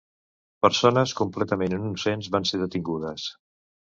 Persones completament innocents van ser detingudes